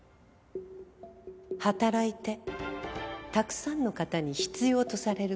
働いてたくさんの方に必要とされる事。